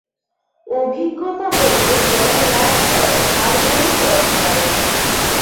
অভিজ্ঞতা হইতে জ্ঞানলাভ হয়, আর কোন পথ নাই।